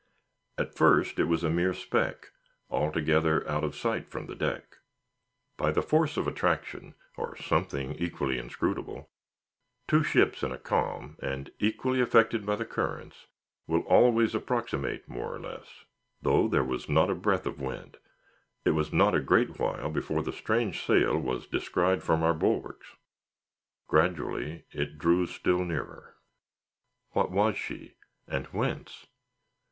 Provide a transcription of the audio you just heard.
At first it was a mere speck, altogether out of sight from the deck. By the force of attraction, or something equally inscrutable, two ships in a calm, and equally affected by the currents, will always approximate more or less. Though there was not a breath of wind, it was not a great while before the strange sail was descried from our bulwarks; gradually it drew still nearer. What was she, and whence?